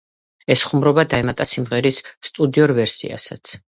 ეს ხუმრობა დაემატა სიმღერის სტუდიურ ვერსიასაც.